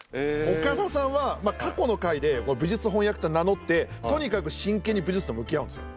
岡田さんは過去の回で武術翻訳家と名乗ってとにかく真剣に武術と向き合うんですよ。